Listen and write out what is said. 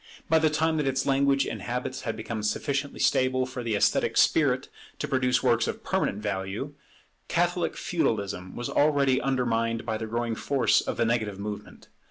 By the time that its language and habits had become sufficiently stable for the esthetic spirit to produce works of permanent value, Catholic Feudalism was already undermined by the growing force of the negative movement.